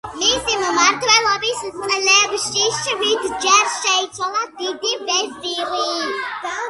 მისი მმართველობის წლებში შვიდჯერ შეიცვალა დიდი ვეზირი.